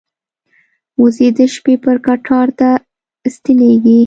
وزې د شپې پر کټار ته ستنېږي